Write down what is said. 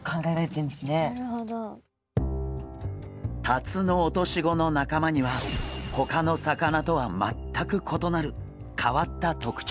タツノオトシゴの仲間にはほかの魚とは全く異なる変わった特徴があるんです。